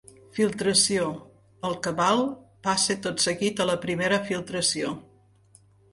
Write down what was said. Filtració: el cabal passa tot seguit a la primera filtració.